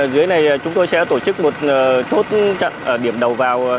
dưới này chúng tôi sẽ tổ chức một chốt điểm đầu vào